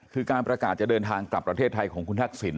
คือการประกาศจะเดินทางกลับประเทศไทยของคุณทักษิณ